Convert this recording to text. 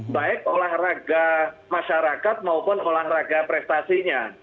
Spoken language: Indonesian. baik olahraga masyarakat maupun olahraga prestasinya